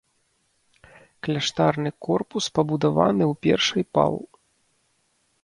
Кляштарны корпус пабудаваны ў першай пал.